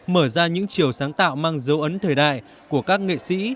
mở ra những chiều sáng tạo mang dấu ấn thời đại của các nghệ sĩ